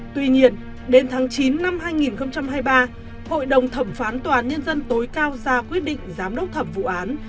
tùy nhiên đến tháng chín năm hai nghìn hai mươi ba hội đồng thẩm phán toán nhân dân tối cao ra quyết định giám đốc thẩm vụ án